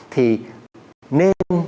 thì nên có những cái khu đất của cảng sài gòn